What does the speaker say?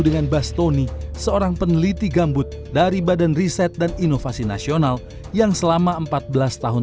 dengan bastoni seorang peneliti gambut dari badan riset dan inovasi nasional yang selama empat belas tahun